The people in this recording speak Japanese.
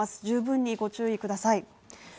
十分にご注意ください。